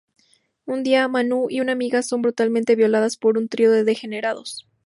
Un día, Manu y una amiga son brutalmente violadas por un trío de degenerados.